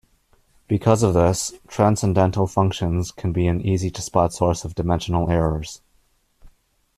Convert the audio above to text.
Because of this, transcendental functions can be an easy-to-spot source of dimensional errors.